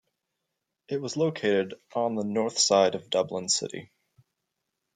It was located on the north side of Dublin city.